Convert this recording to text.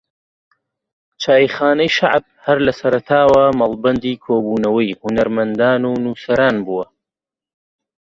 چایخانەی شەعب ھەر لە سەرەتاوە مەڵبەندی کۆبونەوەی ھونەرمەندان و نووسەران بووە